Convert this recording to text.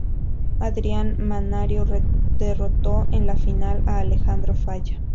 Adrian Mannarino derrotó en la final a Alejandro Falla.